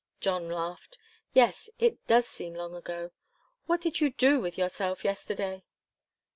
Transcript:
John laughed. "Yes it does seem long ago. What did you do with yourself yesterday?"